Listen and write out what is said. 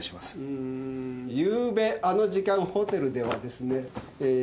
うーんゆうべあの時間ホテルではですねえー